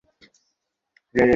কিন্তু এবার কাকের ডিম বেঁচে গেল।